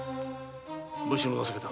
武士の情けだ。